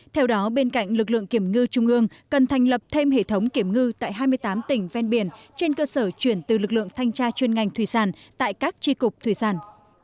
theo đó bên cạnh lực lượng kiểm ngư trung ương cần thành lập thêm hệ thống kiểm ngư tại hai mươi tám tỉnh ven biển trên cơ sở chuyển từ lực lượng thanh tra chuyên ngành thủy sản tại các tri cục thủy sản